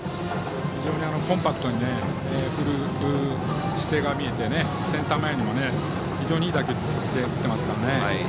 非常にコンパクトに振る姿勢が見えてセンター前にも非常にいい打球打ってますからね。